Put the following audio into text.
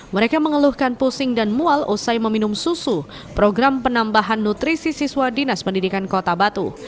mereka mengeluhkan pusing dan mual usai meminum susu program penambahan nutrisi siswa dinas pendidikan kota batu